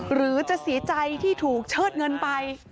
หรือจะเสียใจที่ถูกเชิดเงินไป